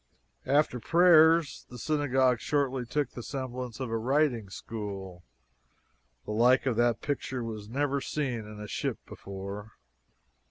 After prayers the Synagogue shortly took the semblance of a writing school. The like of that picture was never seen in a ship before.